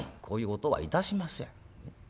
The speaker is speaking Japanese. こういう音はいたしません。